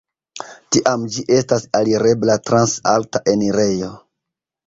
Tiam ĝi estas alirebla trans alta enirejo.